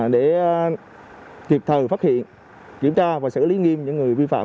để kịp thời phát hiện kiểm tra và xử lý nghiêm những người vi phạm